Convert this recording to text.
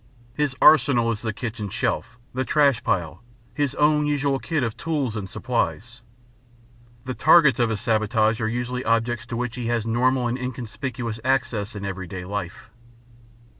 His arsenal is the kitchen shelf, the trash pile, his own usual kit of tools and supplies. The targets of his sabotage are usually objects to which he has normal and inconspicuous access in everyday life.